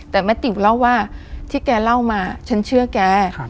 แต่แม่ติ่งเล่าว่าที่แกเล่ามาฉันเชื่อแก